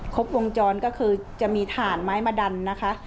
ครบวงจรก็คือจะมีถ่านไม้มาดันนะคะ